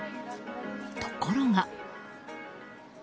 ところが。